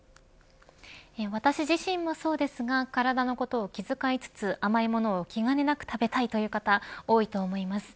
私自身もそうですが体のことを気遣いつつ甘いものを気兼ねなく食べたいという方、多いと思います。